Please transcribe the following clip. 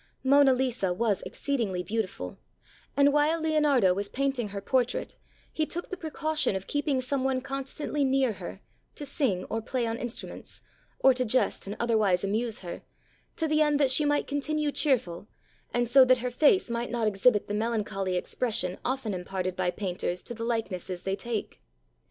Mona Lisa was exceedingly beautiful, and while Leonardo was painting her portrait, he took the precau tion of keeping some one constantly near her, to sing or play on instruments, or to jest and otherwise amuse her, 91 ITALY to the end that she might continue cheerful, and so that her face might not exhibit the melancholy expression often imparted by painters to the likenesses they take.